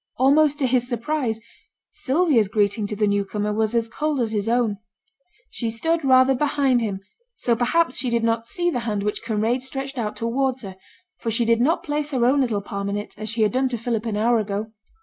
Almost to his surprise, Sylvia's greeting to the new comer was as cold as his own. She stood rather behind him; so perhaps she did not see the hand which Kinraid stretched out towards her, for she did not place her own little palm in it, as she had done to Philip an hour ago.